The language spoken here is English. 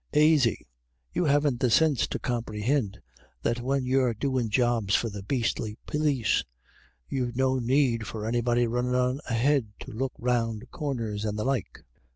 " Aisy. You haven't the sinse to comperhind that when you're doin' jobs for the bastely p61is, you've no need of anybody runnin' on ahead to look round corners and the like.